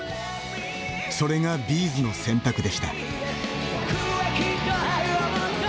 それがＢ’ｚの選択でした。